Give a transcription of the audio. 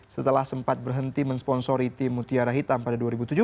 setelah sempat berhenti mensponsori tim mutiara hitam pada dua ribu tujuh belas